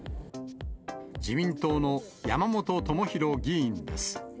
自民党の山本朋広議員です。